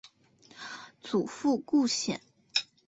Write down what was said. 祖父顾显。